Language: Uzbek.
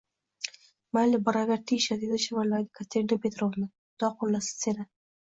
– Mayli, boraver, Tisha, – deb shivirlaydi Katerina Petrovna. – Xudo qoʻllasin seni.